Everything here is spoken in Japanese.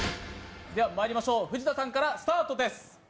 まいりましょう、藤田さんからスタートです。